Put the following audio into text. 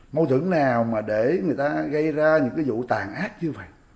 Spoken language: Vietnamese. mâu thuẫn nào mà để người ta gây ra những cái vụ tàn ác như vậy